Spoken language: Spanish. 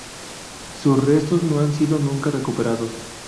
Sus restos no han sido nunca recuperados.